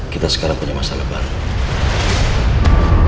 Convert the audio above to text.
kita sekarang punya masalah baru